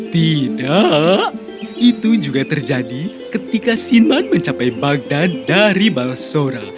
tidak itu juga terjadi ketika sinban mencapai bagda dari balsora